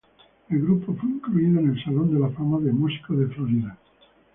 El grupo fue incluido en el Salón de la Fama de músicos de Florida.